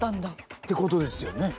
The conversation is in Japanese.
ってことですよね。